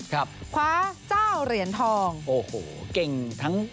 ควาเจ้าเหรียญทอง